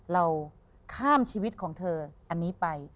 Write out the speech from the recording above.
เราข้ามชีวิตของเธออันนี้ไป